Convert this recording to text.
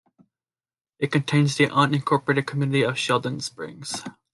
It contains the unincorporated community of Sheldon Springs.